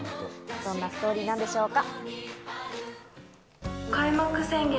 どんなストーリーなんでしょうか。